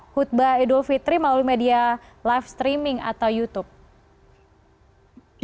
khutbah idul fitri melalui media live streaming atau youtube